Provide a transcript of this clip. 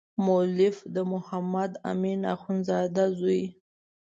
مؤلف د محمد امین اخندزاده زوی.